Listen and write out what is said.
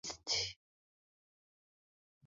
Exactly who crushed the first car is often debated.